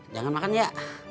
jangan makan ya